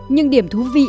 nhưng điểm thú vị